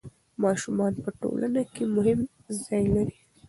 ماشومان په ټولنه کې مهم ځای لري.